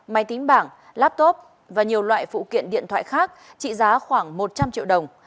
máy tính bảng laptop và nhiều loại phụ kiện điện thoại khác trị giá khoảng một trăm linh triệu đồng